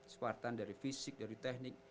spartan dari fisik dari teknik